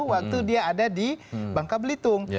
waktu dia ada di bangka belitung